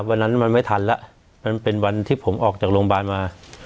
วันนั้นมันไม่ทันแล้วมันเป็นวันที่ผมออกจากโรงพยาบาลมา